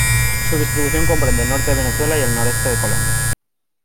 Su distribución comprende el norte de Venezuela, y el noreste de Colombia.